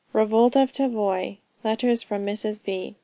REVOLT OF TAVOY. LETTERS FROM MRS.